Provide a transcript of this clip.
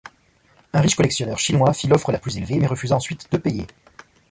Un riche collectionneur chinois fit l'offre la plus élevée, mais refusa ensuite de payer.